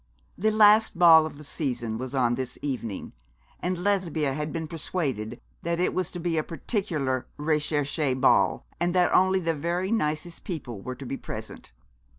The last ball of the season was on this evening; and Lesbia had been persuaded that it was to be a particular recherché ball, and that only the very nicest people were to be present.